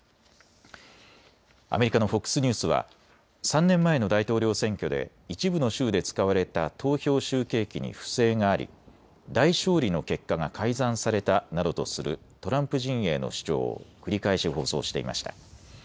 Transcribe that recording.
アメリカのＦＯＸニュースは３年前の大統領選挙で一部の州で使われた投票集計機に不正があり大勝利の結果が改ざんされたなどとするトランプ陣営の主張を繰り返し放送していました。